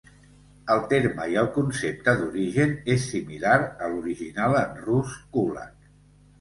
El terme i el concepte d'origen és similar a l'original en rus kulak.